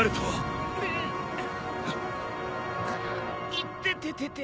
・いてててて。